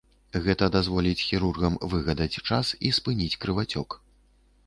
Гэта дазволіць хірургам выгадаць час і спыніць крывацёк.